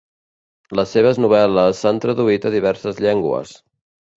Les seves novel·les s'han traduït a diverses llengües.